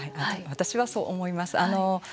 私はそう思います。